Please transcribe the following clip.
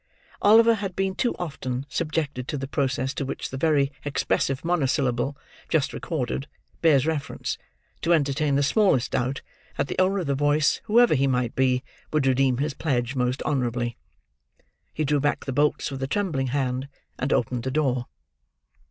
Oliver had been too often subjected to the process to which the very expressive monosyllable just recorded bears reference, to entertain the smallest doubt that the owner of the voice, whoever he might be, would redeem his pledge, most honourably. He drew back the bolts with a trembling hand, and opened the door.